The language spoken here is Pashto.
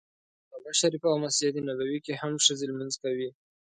ان په کعبه شریفه او مسجد نبوي کې هم ښځې لمونځ کوي.